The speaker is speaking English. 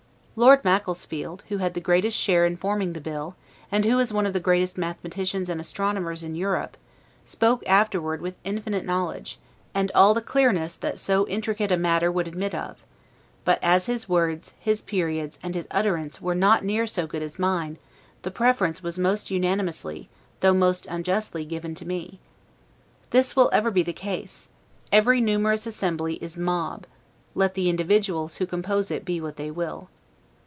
Lord Macclesfield, who had the greatest share in forming the bill, and who is one of the greatest mathematicians and astronomers in Europe, spoke afterward with infinite knowledge, and all the clearness that so intricate a matter would admit of: but as his words, his periods, and his utterance, were not near so good as mine, the preference was most unanimously, though most unjustly, given to me. This will ever be the case; every numerous assembly is MOB, let the individuals who compose it be what they will.